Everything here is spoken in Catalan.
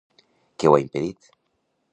Què ho ha impedit?